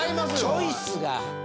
チョイスが。